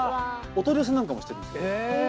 お取り寄せなんかもしてるんですけど。